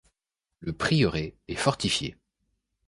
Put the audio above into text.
Le prieuré est fortifié.